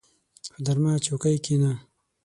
په نرمه چوکۍ کښېنه.